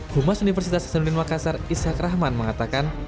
humas universitas hasanuddin makassar ishak rahman mengatakan